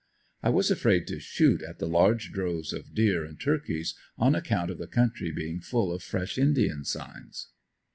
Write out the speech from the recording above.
I was afraid to shoot at the large droves of deer and turkeys, on account of the country being full of fresh indian signs.